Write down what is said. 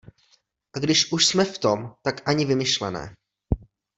A když už jsme v tom, tak ani vymyšlené.